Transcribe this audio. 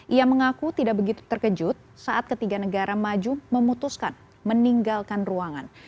ia mengaku tidak begitu terkejut saat ketiga negara maju memutuskan meninggalkan ruangan